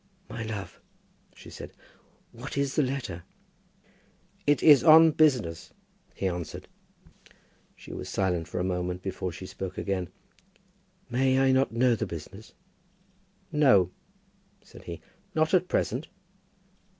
"My love," she said, "what is the letter?" "It is on business," he answered. She was silent for a moment before she spoke again. "May I not know the business?" "No," said he; "not at present."